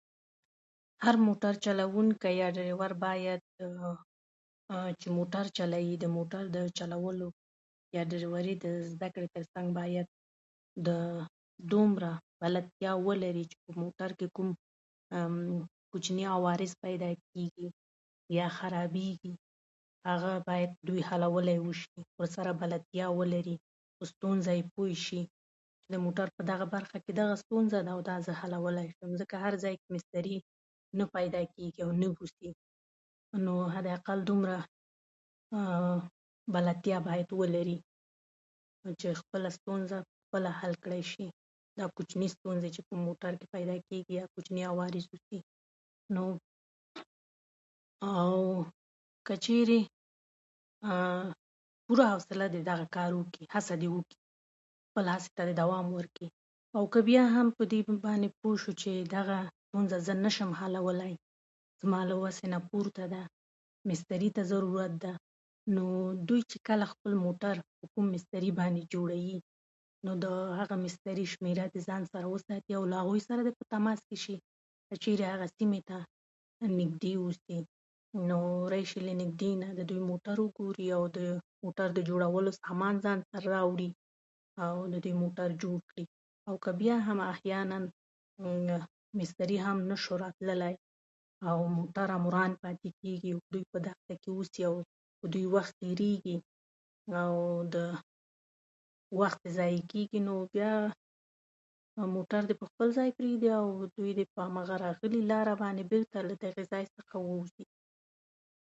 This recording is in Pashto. هر موټر چلونکی یا ډرېور باید، عه عه، چې موټر چلوي، د موټر د چلولو یا ډرېورۍ د زده کړې تر څنګ باید د دومره بلدتیا ولري چې موټر کې کوم کوچني عوارض پیدا کېږي یا خرابېږي، هغه باید دوی حلولی وشي. ورسره بلدتیا ولري، په ستونزه یې پوه شي، د موټر په دغه برخه کې دغه ستونزه ده او دا زه حلولی شم. ځکه هر ځای کې مستري نه پیدا کېږي او نه اوسي. نو حداقل دومره، عه عه، بلدتیا باید ولري چې خپله ستونزه خپله حل کړی شي. او کوچنۍ ستونزه چې په موټر کې پیدا کېږي، یا کوچني عوارض وي، نوو، عه عه عه، که چېرې، عه عه عه، په پوره حوصله دې دغه کار وکړي، هڅه دې وکړي، په لاس ته دې دوام ورکړي. او که بیا هم په دې باندې پوه شو چې دغه ستونزه زه نشم حلولای، زما له وسې نه پورته ده، مستري ته ضرورت ده، نووو دوی چې کله خپل موټر په کوم مستري باندې جوړوي، نو د هغه مستري شمېره د ځان سره وساتي او له هغوی سره دې په تماس کې شي. که چېرې هغه سیمې ته نږدې و اوسي، نووو راشي له نږدې نه د دوی موټر وګوري او د موټر د جوړولو سامان ځان سره راوړي اوو د دي موټر جوړ کړي. او که بیا هم احیاناً مستري هم نشو راتللی اوو موټر هم وران پاتېږي او دوی په دښته کې اوسي، او په دوی وخت تېرېږي اوو د وخت یې ضایع کېږي، نو بیا موټر دې په خپل ځای پرېږدي او دوی دې په همغه راغلې لار باندې بېرته له دغه ځای څخه ووځي.